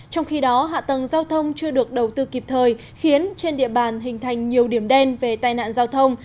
trong khi đó hạ tầng giao thông chưa được đầu tư kịp thời khiến trên địa bàn hình thành nhiều điểm đen về tai nạn giao thông